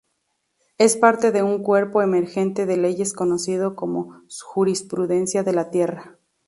Es parte de un cuerpo emergente de leyes conocido como 'jurisprudencia de la Tierra'.